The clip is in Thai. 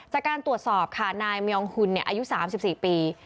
จากการตรวจสอบค่ะนายมองยองหุ่นอายุ๓๔ปี